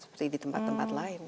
seperti di tempat tempat lain